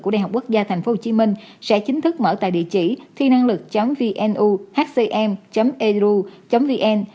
của đại học quốc gia tp hcm sẽ chính thức mở tại địa chỉ thi năng lực vnu hcm elu vn